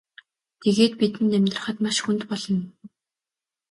Тэгээд бидэнд амьдрахад маш хүнд болно.